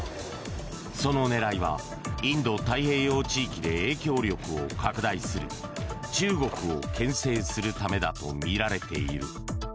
その狙いはインド太平洋地域で影響力を拡大する中国をけん制するためだとみられている。